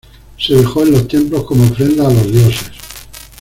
Se dejó en los templos como ofrenda a los dioses.